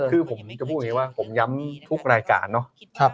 คือผมจะพูดอย่างนี้ว่าผมย้ำทุกรายการเนาะ